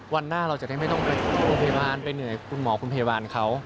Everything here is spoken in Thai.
วันหน้าเราจะได้ไม่ต้องไปเหนื่อยคุณหมอคุณพยาบาลเขา